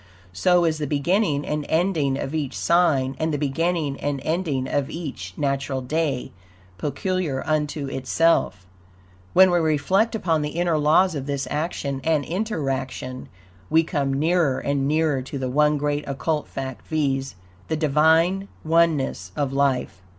So is the beginning and ending of each sign, and the beginning and ending of each natural day, peculiar unto itself. When we reflect upon the inner laws of this action and interaction, we come nearer and nearer to the one great occult fact, viz.: THE DIVINE ONENESS OF LIFE.